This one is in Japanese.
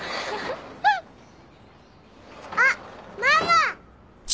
あっママ！